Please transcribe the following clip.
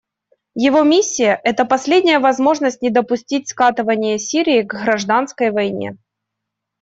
Его миссия — это последняя возможность не допустить скатывания Сирии к гражданской войне.